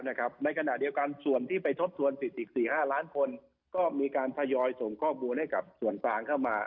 ในขณะเดียวกันส่วนที่ได้ทบส่วน๑๕ล้านคนก็มีการทยอยส่งข้อบูลให้ส่วนต่างเข้ามา